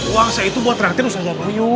uang saya itu buat raktir saya mau yuk